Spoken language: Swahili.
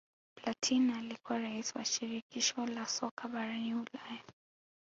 platin alikuwa rais wa shirikisho la soka barani Ulaya